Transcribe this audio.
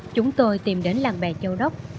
chúng tôi tìm đến làng bè châu đốc